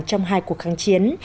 trong hai cuộc kháng chiến